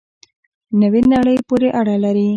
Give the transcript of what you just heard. نوې نړۍ پورې اړه لري.